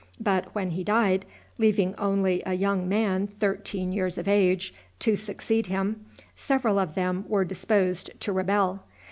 But when he died, leaving only a young man thirteen years of age to succeed him, several of them were disposed to rebel.